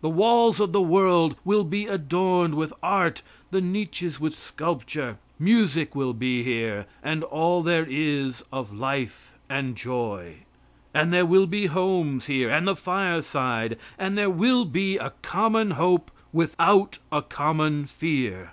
The walls of the world will be adorned with art, the niches with sculpture; music will be here, and all there is of life and joy. And there will be homes here, and the fireside, and there will be a common hope without a common fear.